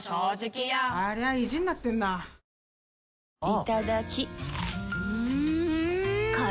いただきっ！